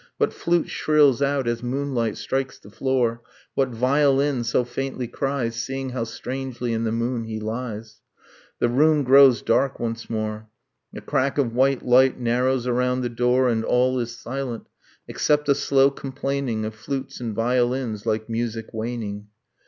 What flute shrills out as moonlight strikes the floor? .. What violin so faintly cries Seeing how strangely in the moon he lies? ... The room grows dark once more, The crack of white light narrows around the door, And all is silent, except a slow complaining Of flutes and violins, like music waning.